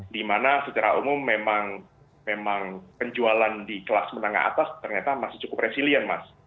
dimana secara umum memang penjualan di kelas menengah atas ternyata masih cukup resilient mas